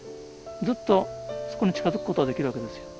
ずっとそこに近づくことはできるわけですよ。